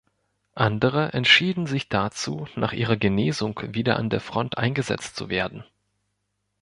Andere entschieden sich dazu, nach ihrer Genesung wieder an der Front eingesetzt zu werden.